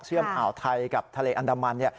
อ่าวไทยกับทะเลอันดามัน